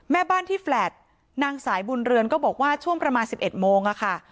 แม่บ้านที่แลตนางสายบุญเรือนก็บอกว่าช่วงประมาณ๑๑โมงค่ะ